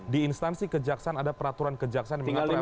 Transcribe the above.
di instansi kejaksaan ada peraturan kejaksaan yang mengatur lhkpn